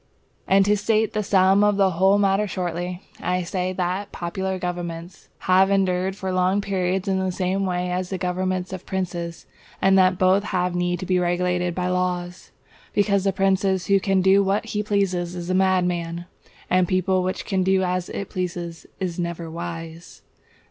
And to state the sum of the whole matter shortly, I say that popular governments have endured for long periods in the same way as the governments of princes, and that both have need to be regulated by the laws; because the prince who can do what he pleases is a madman, and the people which can do as it pleases is never wise.